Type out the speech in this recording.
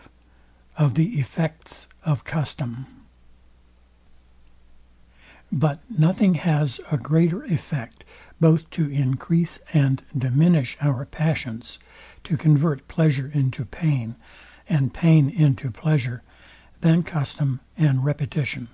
V OF THE EFFECTS OF CUSTOM But nothing has a greater effect both to encrease and diminish our passions, to convert pleasure into pain, and pain into pleasure, than custom and repetition.